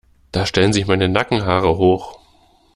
Da stellen sich meine Nackenhaare hoch.